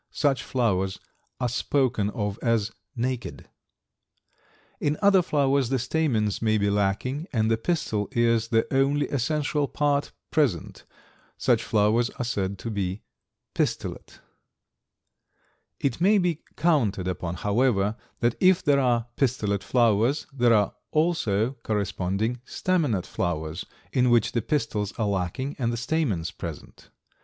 Such flowers are spoken of as naked. In other flowers the stamens may be lacking, and as the pistil is the only essential part present such flowers are said to be pistillate. It may be counted upon, however, that if there are pistillate flowers there are also corresponding staminate flowers in which the pistils are lacking and the stamens present.